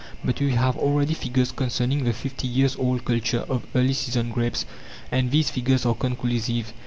But we have already figures concerning the fifty years old culture of early season grapes, and these figures are conclusive.